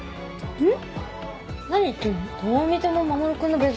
うん。